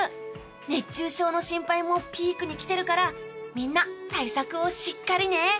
熱中症の心配もピークに来てるからみんな対策をしっかりね！